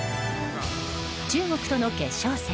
中国との決勝戦